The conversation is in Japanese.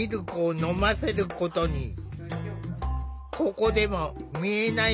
ここでも見えない